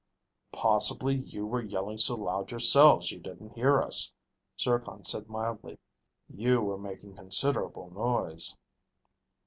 "Possibly you were yelling so loud yourselves you didn't hear us," Zircon said mildly. "You were making considerable noise."